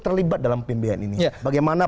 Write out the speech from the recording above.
terlibat dalam pembiayaan ini bagaimana